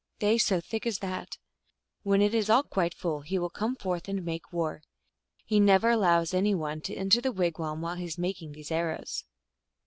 They so thick as that. When it is all quite full, he will come forth and make war. He never allows any one to enter the wigwam while he is making these arrows."